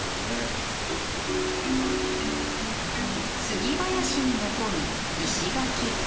スギ林に残る石垣。